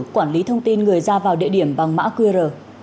quản lý thông tin người ra vào địa điểm bằng mã qr